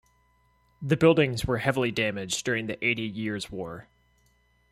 The buildings were heavily damaged during the Eighty Years War.